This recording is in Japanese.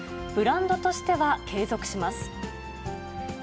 ブランドとしては継続します。